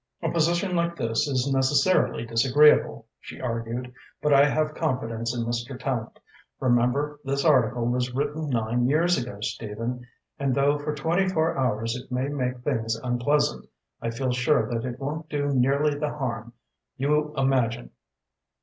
"A position like this is necessarily disagreeable," she argued, "but I have confidence in Mr. Tallente. Remember, this article was written nine years ago, Stephen, and though for twenty four hours it may make things unpleasant, I feel sure that it won't do nearly the harm you imagine.